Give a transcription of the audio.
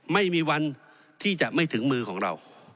ไม่มีวันที่จะไม่ถึงมือของเรา